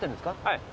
はい。